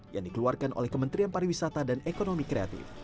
yang dikeluarkan oleh kementerian pariwisata dan ekonomi kreatif